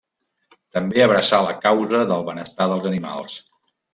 També abraçà la causa del benestar dels animals.